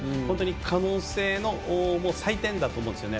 可能性の祭典だと思うんですね。